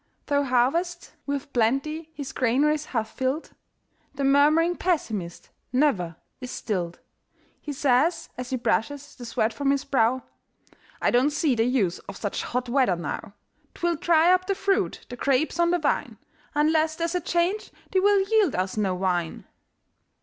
Though harvest with plenty his gran'ries hath filled, The murmuring pessimist never is stilled. He says, as he brushes the sweat from his brow, "I don't see the use of such hot weather now; 'Twill dry up the fruit, the grapes on the vine Unless there's a change, they will yield us no wine."